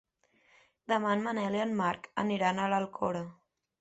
Demà en Manel i en Marc aniran a l'Alcora.